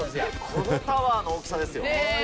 このタワーの大きさですよ。